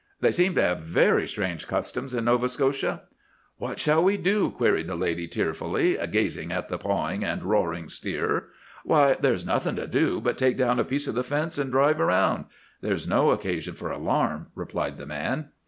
They seem to have very strange customs in Nova Scotia!' "'What shall we do?' queried the lady tearfully, gazing at the pawing and roaring steer. "'Why, there's nothing to do but take down a piece of the fence and drive around. There's no occasion for alarm!' replied the man.